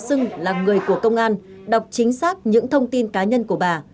xưng là người của công an đọc chính xác những thông tin cá nhân của bà